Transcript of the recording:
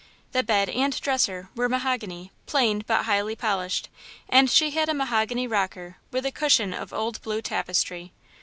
The bed and dresser were mahogany, plain, but highly polished, and she had a mahogany rocker with a cushion of old blue tapestry.